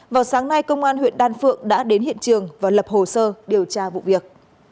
vào sáng nay công an huyện đan phượng đã đến hiện trường và lập hồ sơ điều tra vụ việc